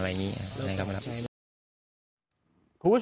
โป่งแร่ตำบลพฤศจิตภัณฑ์